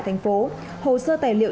thành phố hồ sơ tài liệu